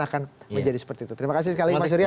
akan menjadi seperti itu terima kasih sekali mas surya